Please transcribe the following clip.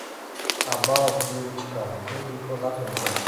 - Абау, Юличка, һин бик оҙаҡ инде.